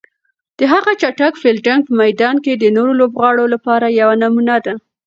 د هغه چټک فیلډینګ په میدان کې د نورو لوبغاړو لپاره یوه نمونه ده.